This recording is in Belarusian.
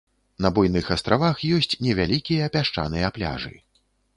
На буйных астравах ёсць невялікія пясчаныя пляжы.